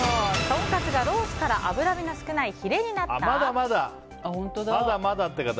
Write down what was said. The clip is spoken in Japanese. とんかつがロースから脂身の少ないヒレになった？